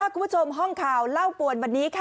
คุณผู้ชมห้องข่าวเล่าปวนวันนี้ค่ะ